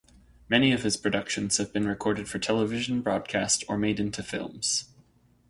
Many of his productions have been recorded for television broadcast or made into films.